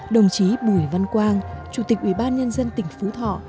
đồng chí bùi văn quang chủ tịch ủy ban nhân dân tỉnh phú thọ